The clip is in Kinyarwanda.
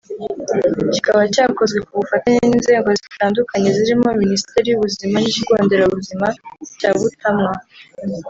kikaba cyakozwe ku bufatanye n’inzego zitandukanye zirimo Minisiteri y’ubuzima n’Ikigo Nderabuzima cya Butamwa